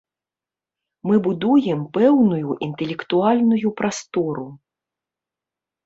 Мы будуем пэўную інтэлектуальную прастору.